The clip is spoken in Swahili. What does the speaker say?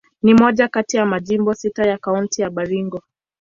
Ni moja kati ya majimbo sita ya Kaunti ya Baringo.